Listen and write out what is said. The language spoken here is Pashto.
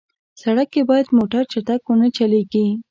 سړک کې باید موټر چټک ونه چلېږي.